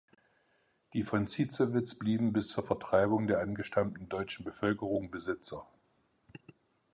Die von Zitzewitz blieben bis zur Vertreibung der angestammten deutschen Bevölkerung Besitzer.